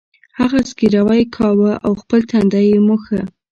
هغه زګیروی کاوه او خپل تندی یې مښه